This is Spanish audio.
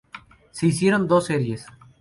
Se hicieron dos series.